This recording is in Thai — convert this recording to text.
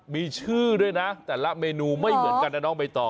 มีชื่อด้วยนะแต่ละเมนูไม่เหมือนกันนะน้องใบตอง